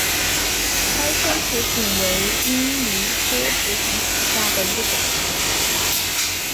胎生紫堇为罂粟科紫堇属下的一个种。